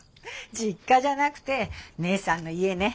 実家じゃなくて姉さんの家ね。